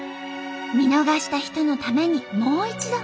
見逃した人のためにもう一度。